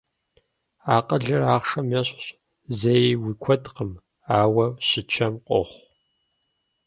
Акъылыр ахъшэм ещхьщ, зэи уи куэдкъым, ауэ щычэм къохъу.